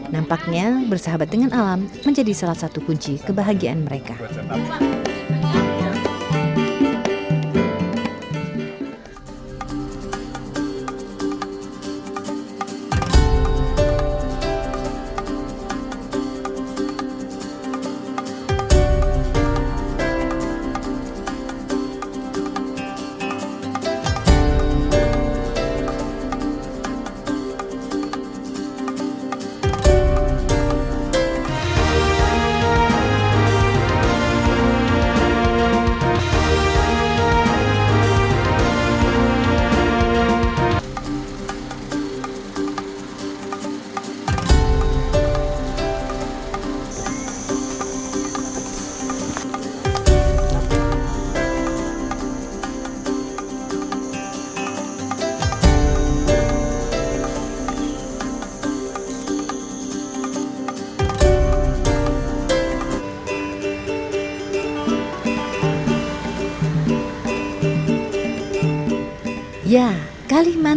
nampaknya bersahabat dengan alam menjadi salah satu kunci kebahagiaan mereka